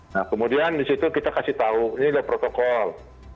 nah kemudian di situ kita kasih tahu ini udah protokol